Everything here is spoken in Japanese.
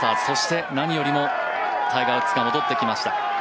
そして、何よりもタイガー・ウッズが戻ってきました。